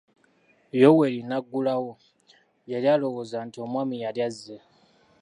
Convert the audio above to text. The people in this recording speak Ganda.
Yoweeri n'aggulawo; yali alowooza nti omwami yali azze.